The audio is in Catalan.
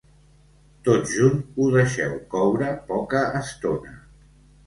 Tot junt, ho deixeu coure poca estona.